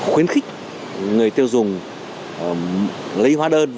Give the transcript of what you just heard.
khuyến khích người tiêu dùng lấy hóa đơn